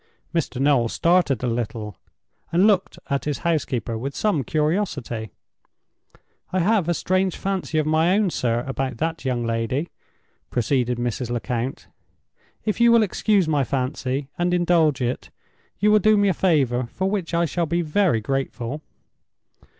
Mr. Noel started a little, and looked at his housekeeper with some curiosity. "I have a strange fancy of my own, sir, about that young lady," proceeded Mrs. Lecount. "If you will excuse my fancy, and indulge it, you will do me a favor for which I shall be very grateful."